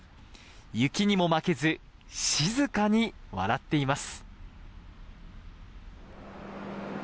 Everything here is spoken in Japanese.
雪にも負けず静かに笑っています。